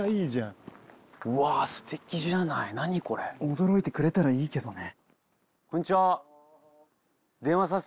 驚いてくれたらいいけどね。